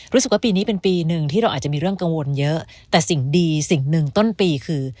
รู้สึกว่าปีนี้เป็นปีหนึ่งที่เราอาจจะมีเรื่องกังวลเยอะแต่สิ่งดีสิ่งหนึ่งต้นปีคือ